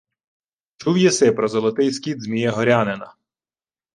— Чув єси про золотий скіт Змія Горянина?